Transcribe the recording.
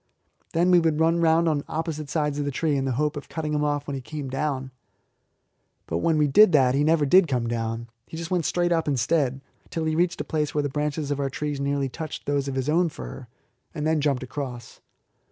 Then we would run round on opposite sides of the tree in the hope of cutting him off when he came down. But when we did that he never did come down, but just went up instead, till he reached a place where the branches of our trees nearly touched those of his own fir, and then jumped across.